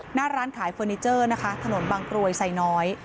หน้าร้านขายเฟอร์นิเจอร์นะคะถนนบางกรวยไซน้อย